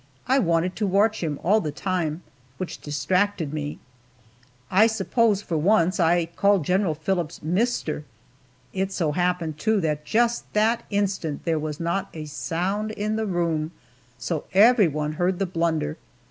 I wanted to watch him all the time, which distracted me, I suppose, for once I called General Phillips "Mister!" It so happened, too, that just that instant there was not a sound in the room, so everyone heard the blunder.